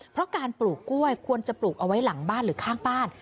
เพราะการปลูกกล้วยควรจะปลูกเอาไว้หลังบ้านหรือข้างบ้าน